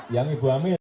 yang ibu ambil